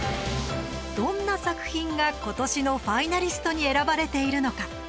どんな作品が今年のファイナリストに選ばれているのか。